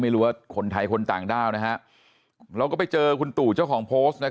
ไม่รู้ว่าคนไทยคนต่างด้าวนะฮะแล้วก็ไปเจอคุณตุจ้องโพส